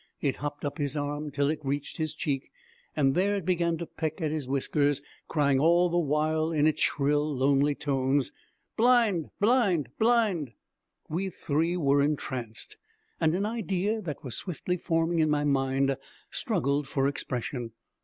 It hopped up his arm till it reached his cheek, and there it began to peck at his whiskers, crying all the while in its shrill, lonely tones, 'Blind blind blind!' We three were entranced; and an idea that was swiftly forming in my mind struggled for expression.